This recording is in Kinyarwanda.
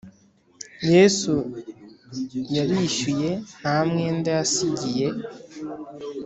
yesu yarishyuye ntamwenda yasigiye